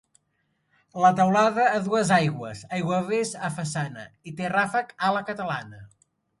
La teulada a dues aigües, aiguavés a façana i té ràfec a la catalana.